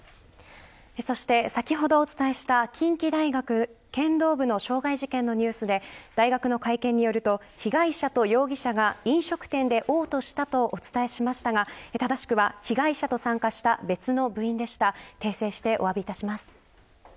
そして、先ほどお伝えした近畿大学剣道部の傷害事件のニュースで大学の会見によると被害者と容疑者が飲食店で嘔吐したとお伝えしましたが正しくは被害者と参加した別の部員でした。